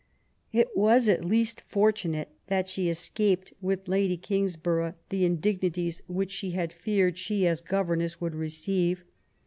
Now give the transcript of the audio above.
It was at least fortunate that she escaped, with Lady Kingsborough^ the indignities which she had feared LIFE A8 G0VEENE88. 53 «lie, as governess, would receive.